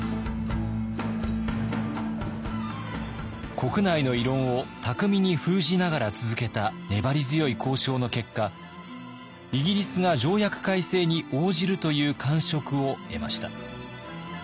国内の異論を巧みに封じながら続けた粘り強い交渉の結果イギリスが条約改正に応じるという感触を得ました。